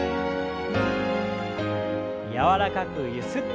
柔らかくゆすって。